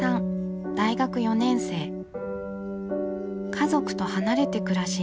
家族と離れて暮らし